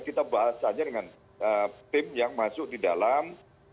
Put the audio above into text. kita bahas saja dengan tim yang masuk didalam